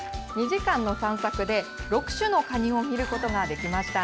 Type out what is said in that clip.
２時間の散策で、６種のカニを見ることができました。